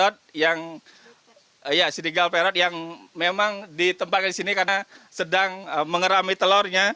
ada sirigal peron yang memang ditempatkan di sini karena sedang mengerami telurnya